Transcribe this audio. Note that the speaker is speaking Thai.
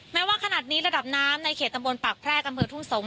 แม้ว่าขนาดนี้ระดับน้ำในเขตตำบลปากแพรกอำเภอทุ่งสงศ